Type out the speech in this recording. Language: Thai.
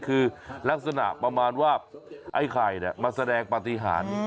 คือลักษณะประมาณว่าไอ้ไข่มาแสดงปฏิหาร